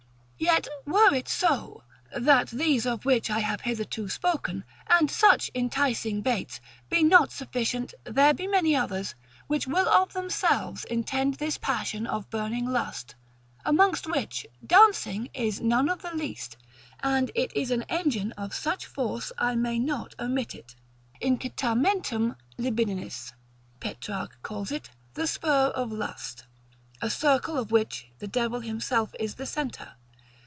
Yet were it so, that these of which I have hitherto spoken, and such like enticing baits, be not sufficient, there be many others, which will of themselves intend this passion of burning lust, amongst which, dancing is none of the least; and it is an engine of such force, I may not omit it. Incitamentum libidinis, Petrarch calls it, the spur of lust. A circle of which the devil himself is the centre.